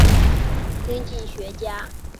在苏联财政部研究所任经济学家。